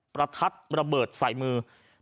ประทัดระเบิดใส่มือ